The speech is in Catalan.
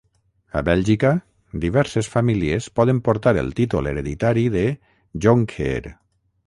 A Bèlgica, diverses famílies poden portar el títol hereditari de "Jonkheer".